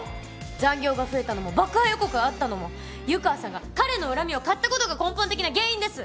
残業が増えたのも爆破予告あったのも湯川さんが彼の恨みを買ったことが根本的な原因です。